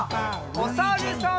おさるさん。